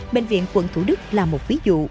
bệnh viện quận thủ đức là một ví dụ